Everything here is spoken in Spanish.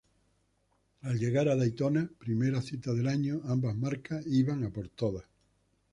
Al llegar a Daytona, primera cita del año, ambas marcas iban a por todas.